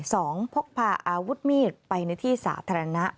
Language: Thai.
สองพกพาอาวุธมีดไปในที่สาธารณะ